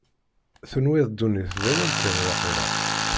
Tenwiḍ ddunit d awal kan, waqila?